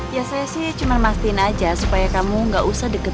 ya saya sih cuma masin aja supaya kamu gak usah deket